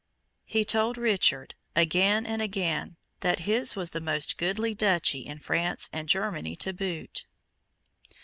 he told Richard, again and again, that his was the most goodly duchy in France and Germany to boot.